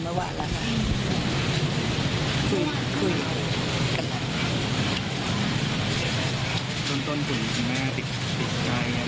เรายังตั้งรับให้ได้ไหม